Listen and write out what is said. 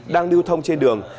đang điêu thông trên đường